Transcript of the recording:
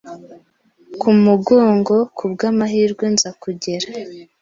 ku mugongo kubw’amahirwe nza kugera